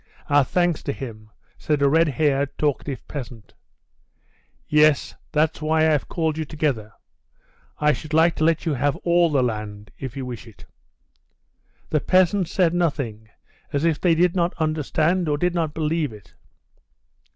Our thanks to him," said a redhaired, talkative peasant. "Yes, that's why I have called you together. I should like to let you have all the land, if you wish it." The peasants said nothing, as if they did not understand or did not believe it.